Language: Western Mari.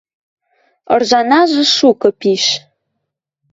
Ыржанажы шукы пиш.